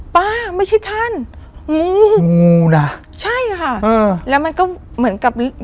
ไม่ใช่ท่านงูงูนะใช่ค่ะเออแล้วมันก็เหมือนกับมี